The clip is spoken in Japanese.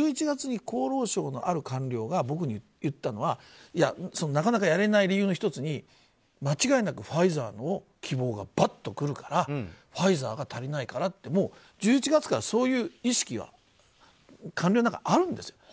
１１月に厚労省のある官僚が僕に言ったのはなかなかやれない理由の１つに間違いなくファイザーの希望がバッとくるからファイザーが足りないからって１１月からそういう意識は官僚の中にあるんです。